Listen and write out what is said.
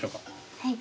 はい。